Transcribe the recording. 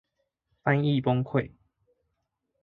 翻譯崩潰